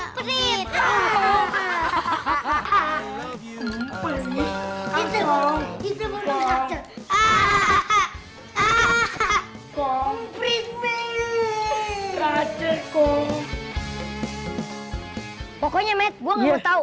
pokoknya matu pixar